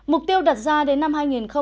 mục tiêu đặt ra đến năm hai nghìn hai mươi